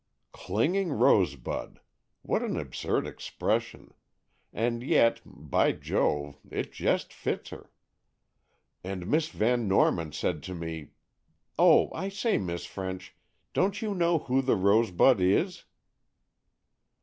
"Clinging rosebud! What an absurd expression! And yet—by Jove!—it just fits her! And Miss Van Norman said to me—oh, I say, Miss French, don't you know who the rosebud is?"